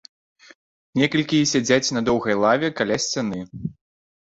Некалькі сядзяць на доўгай лаве каля сцяны.